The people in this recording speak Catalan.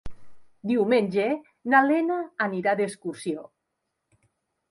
Diumenge na Lena irà d'excursió.